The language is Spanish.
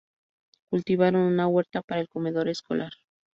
Cultivaron una huerta para el comedor escolar.